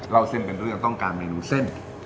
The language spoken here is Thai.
เราเส้นเป็นทุกอย่างต้องการเมนูเส้น